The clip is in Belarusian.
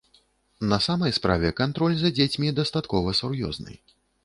На самай справе кантроль за дзецьмі дастаткова сур'ёзны.